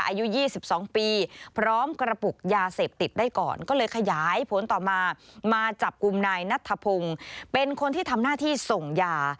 อายุ๒๒ปีพร้อมกระปุกยาเสพติดได้ก่อนก็เลยขยายผลต่อมามาจับกลุ่มนายนัทธพงศ์เป็นคนที่ทำหน้าที่ส่งยา